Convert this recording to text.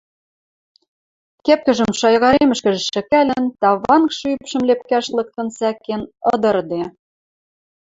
Кепкӹжӹм шаягаремӹшкӹжӹ шӹкӓлӹн, тавангшы ӱпшӹм лепкӓш лыктын сӓкен, ыдырыде.